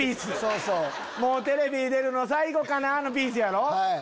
もうテレビに出るの最後かなぁのピースやろ。